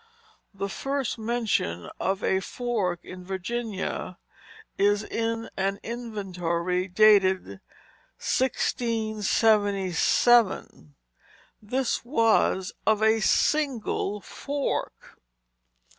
The first mention of a fork in Virginia is in an inventory dated 1677; this was of a single fork.